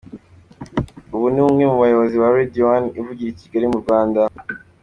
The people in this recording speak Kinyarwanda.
Ubu ni umwe mu bayobozi ba Radio One, ivugira i Kigali mu Rwanda.